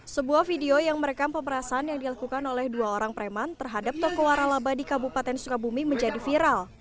sebuah video yang merekam pemerasan yang dilakukan oleh dua orang preman terhadap toko waralaba di kabupaten sukabumi menjadi viral